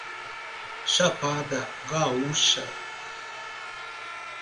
Chapada Gaúcha